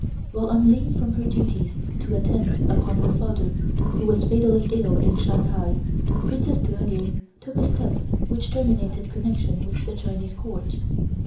While on leave from her duties to attend upon her father, who was fatally ill in Shanghai, Princess Der Ling took a step which terminated connexion with the Chinese Court.